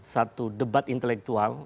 satu debat intelektual